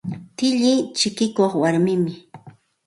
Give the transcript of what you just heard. Tilli chikikuq warmimi.